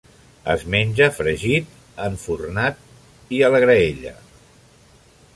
Es menja fregit, enfornat i a la graella.